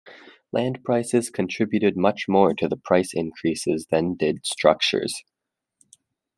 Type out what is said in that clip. Land prices contributed much more to the price increases than did structures.